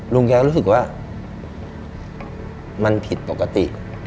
ลุงแกก็รู้สึกว่ามันผิดปกติ